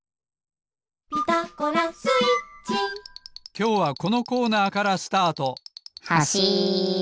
きょうはこのコーナーからスタート